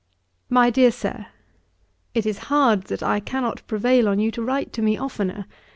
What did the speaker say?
'MY DEAR SIR, 'It is hard that I cannot prevail on you to write to me oftener.